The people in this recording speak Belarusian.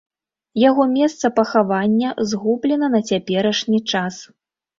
Яго месца пахавання згублена на цяперашні час.